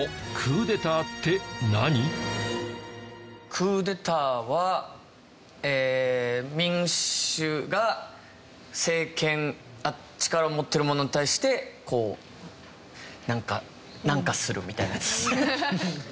クーデターはええ民衆が政権力を持ってる者に対してこうなんかなんかするみたいなやつですね。